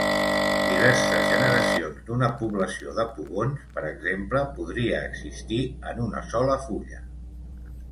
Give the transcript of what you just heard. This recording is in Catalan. Diverses generacions d'una població de pugons, per exemple, podrien existir en una sola fulla.